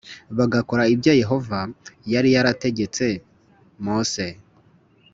bagakora ibyo yehova yari yarategetse mose